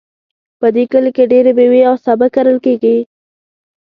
په دې کلي کې ډیری میوې او سابه کرل کیږي